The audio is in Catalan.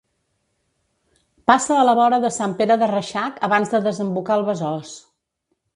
Passa a la vora de Sant Pere de Reixac abans de desembocar al Besòs.